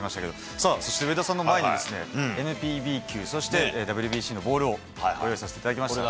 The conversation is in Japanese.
さあ、そして上田さんの前にＮＰＢ級、そして、ＷＢＣのボールをご用意させていただきましたが。